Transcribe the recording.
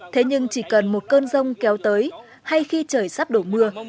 thế nhưng chỉ cần một cơn rông kéo tới hay khi trời sắp đổ mưa